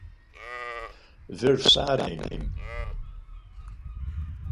versarem